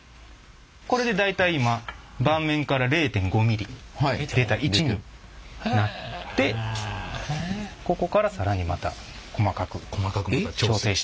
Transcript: これで大体今盤面から０．５ミリ出た位置になってここから更にまた細かく調整していく。